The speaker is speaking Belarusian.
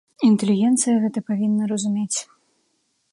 Інтэлігенцыя гэта павінна разумець.